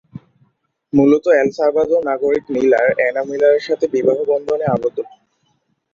মূলত El Salvador নাগরিক মিলার এনা মিলারের সাথে বিবাহ বন্ধনে আবদ্ধ হন।